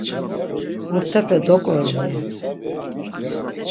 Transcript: Burtepe doǩorobi!”